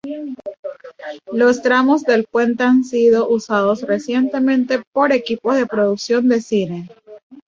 Los tramos del puente han sido usados recientemente por equipos de producción de cine.